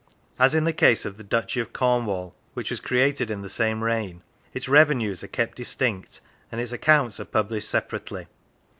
As in the case of the Duchy of Cornwall, which was created in the same reign, its revenues are kept distinct, and its accounts are published separately.